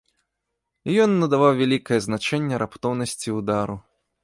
І ён надаваў вялікае значэнне раптоўнасці ўдару.